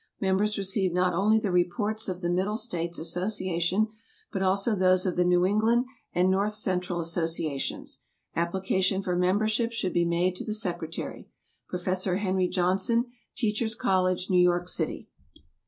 Members receive not only the reports of the Middle States Association, but also those of the New England and North Central Associations. Application for membership should be made to the secretary, Professor Henry Johnson, Teachers' College, New York City.